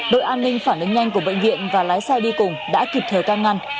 đội an ninh phản ứng nhanh của bệnh viện và lái xe đi cùng đã kịp thờ cao ngăn